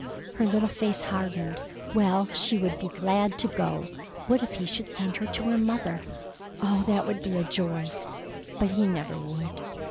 Her little face hardened. Well, she would be glad to go. What if he should send her to her mother! Oh, that would be joy!—but he never would.